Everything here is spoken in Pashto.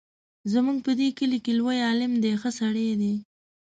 زموږ په دې کلي کې لوی عالم دی ښه سړی دی.